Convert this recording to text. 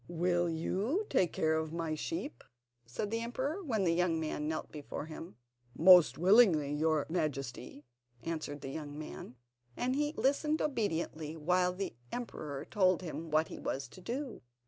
"Will you take care of my sheep?" said the emperor, when the young man knelt before him. "Most willingly, your Majesty," answered the young man, and he listened obediently while the emperor told him what he was to do.